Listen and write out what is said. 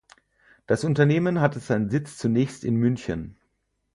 Das Unternehmen hatte seinen Sitz zunächst in München.